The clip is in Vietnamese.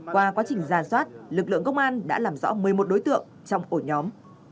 qua quá trình ra soát lực lượng công an đã làm rõ một mươi một đối tượng trong ổ nhóm